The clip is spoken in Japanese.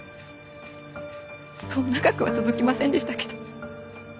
そう長くは続きませんでしたけど。